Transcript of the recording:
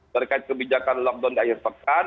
terkait kebijakan lockdown di akhir pekan